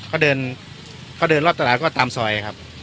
เขาเดินเขาเดินรอบตลาดก็ตามซอยครับ